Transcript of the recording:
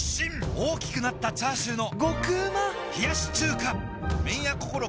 大きくなったチャーシューの麺屋こころ